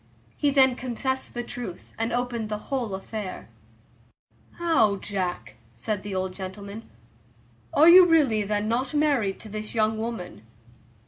He then confessed the truth, and opened the whole affair. "How, Jack?" said the old gentleman, "and are you really then not married to this young woman?"